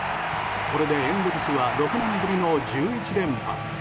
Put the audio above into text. これでエンゼルスは６年ぶりの１１連敗。